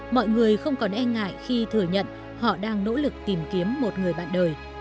mọi người không còn e ngại khi thừa nhận họ đang nỗ lực tìm kiếm một người bạn đời